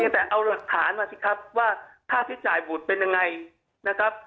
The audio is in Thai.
แต่เอาหลักฐานมาสิครับว่าค่าใช้จ่ายบุตรเป็นยังไงนะครับ